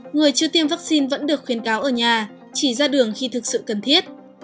người chưa tiêm vaccine vẫn được khuyến cáo ở nhà chỉ ra đường khi thực sự cần thiết